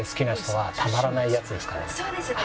そうですね。